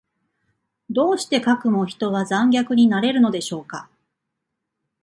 どうしてかくも人は残虐になれるのでしょうか。